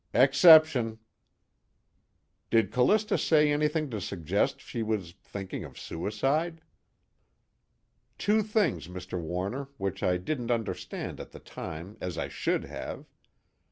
_ "Exception." "Did Callista say anything to suggest she was thinking of suicide?" "Two things, Mr. Warner, which I didn't understand at the time as I should have.